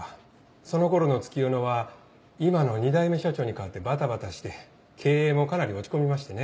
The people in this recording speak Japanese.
その頃の月夜野は今の２代目社長に代わってバタバタして経営もかなり落ち込みましてね。